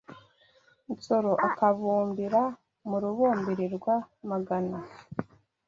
Nsoro akabumbira mu Rubumbirirwa-magana